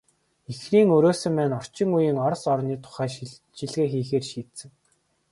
Ихрийн өрөөсөн маань орчин үеийн Орос орны тухай шинжилгээ хийхээр шийдсэн.